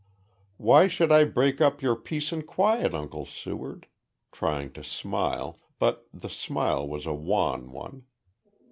"Why should I break up your peace and quiet, Uncle Seward?" trying to smile, but the smile was a wan one.